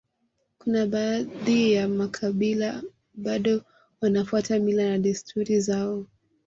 Kuna baadhi ya makabila bado wanafuata mila na desturi zao